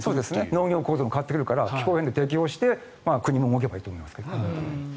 農業構造も変わってくるから気候変動に適応して国も考えたほうがいいですね。